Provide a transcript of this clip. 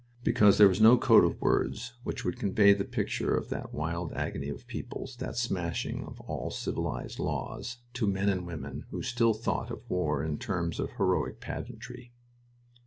Because there was no code of words which would convey the picture of that wild agony of peoples, that smashing of all civilized laws, to men and women who still thought of war in terms of heroic pageantry.